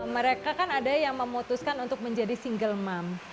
mereka kan ada yang memutuskan untuk menjadi single mom